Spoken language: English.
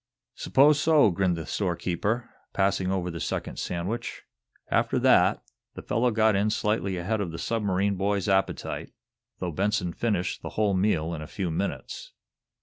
"'Spose so," grinned the storekeeper, passing over the second sandwich. After that, the fellow got in slightly ahead of the submarine boy's appetite, though Benson finished the whole meal in a few minutes.